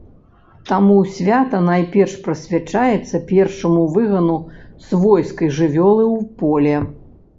Таму свята найперш прысвячаецца першаму выгану свойскай жывёлы ў поле.